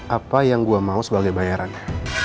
apa yang gue mau sebagai bayarannya